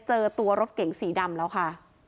เจอตัวรถเก๋งสีดำแล้วค่ะ